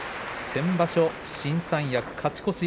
先場所、新三役、勝ち越し。